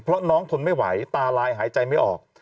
เพราะน้องทนไม่ไหวตาลายหายใจไม่ออก